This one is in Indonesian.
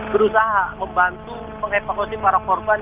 berusaha membantu mengevakuasi para korban